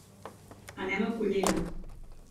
Anem a Cullera.